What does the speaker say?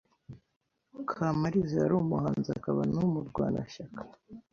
Kamaliza yari umuhanzi akaba n’umurwanashyaka